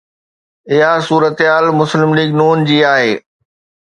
اها صورتحال مسلم ليگ ن جي آهي.